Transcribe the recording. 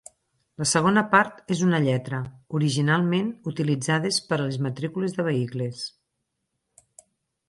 La segona part és una lletra, originalment utilitzades per a les matrícules de vehicles.